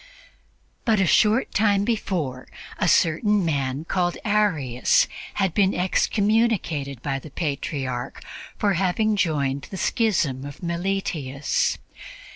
But a short time before, a certain man called Arius had been excommunicated by the Patriarch for having joined the schism of Meletius.